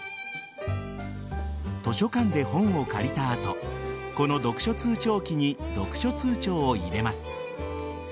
図書館で本を借りた後この読書通帳機に読書通帳を入れます。